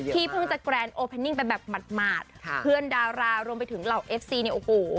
ที่เพิ่งจะแกรนโอปเทนิ้งแบบมาสเพื่อนดาราร้านลงไปถึงเหล่าเอฟซี